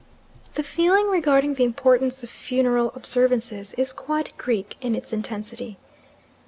The feeling regarding the importance of funeral observances is quite Greek in its intensity.